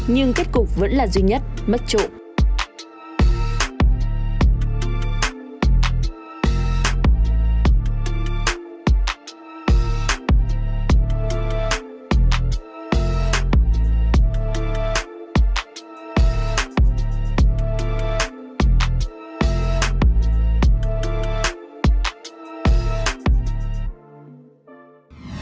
nhưng kết cục vẫn là duy nhất mất trộm